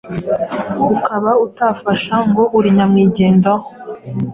ukaba utafasha ngo uri nyamwigendaho